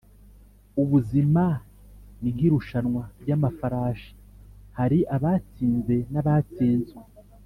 ubuzima ni nkirushanwa ryamafarasi hari abatsinze nabatsinzwe